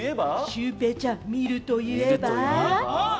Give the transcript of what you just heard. シュウペイちゃん、見ると言えば？